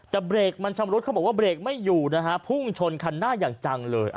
แต่เบรกมันชำรุดเขาบอกว่าเบรกไม่อยู่นะฮะพุ่งชนคันหน้าอย่างจังเลย